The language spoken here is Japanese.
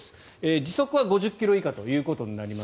時速は５０ｋｍ以下ということになります。